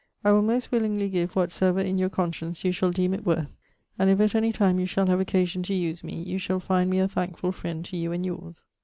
I will most willingly give whatsoever in your conscience you shall deeme it worth, and if at any time you shall have occasion to use me, you shall find me a thankefull friend to you and yours.